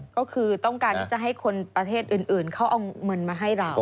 ก็คือต้องการจะให้คนประเทศอื่นเค้าเอามันมาให้ลาว